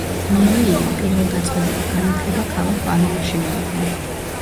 მირეიამ პირველდაწყებითი განათლება ქალაქ პანამაში მიიღო.